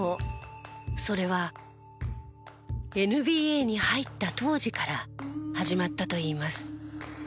それはＮＢＡに入った当時から始まったといいます。